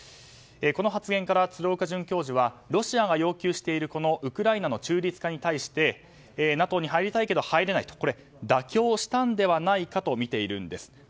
この発言から鶴岡准教授はロシアが要求しているこのウクライナの中立化に対してＮＡＴＯに入りたいけど入れないと妥協したのではないかとみているんです。